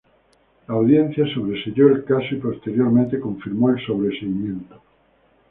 La audiencia sobreseyó el caso y posteriormente confirmó el sobreseimiento.